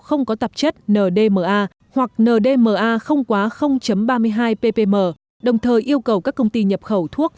không có tạp chất ndma hoặc ndma không quá ba mươi hai ppm đồng thời yêu cầu các công ty nhập khẩu thuốc